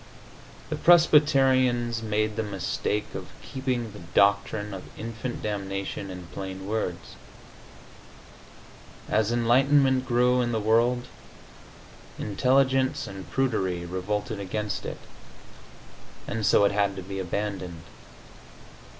The Presbyterians made the mistake of keeping the doctrine of infant damnation in plain words. As enlightenment grew in the world, intelligence and prudery revolted against it, and so it had to be abandoned.